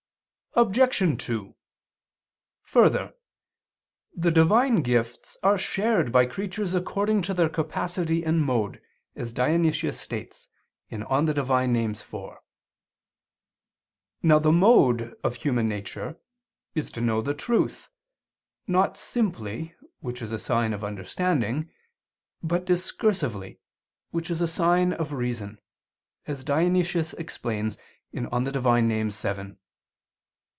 Obj. 2: Further, the Divine gifts are shared by creatures according to their capacity and mode, as Dionysius states (Div. Nom. iv). Now the mode of human nature is to know the truth, not simply (which is a sign of understanding), but discursively (which is a sign of reason), as Dionysius explains (Div. Nom. vii).